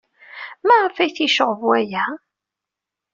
Maɣef ay t-yecɣeb waya?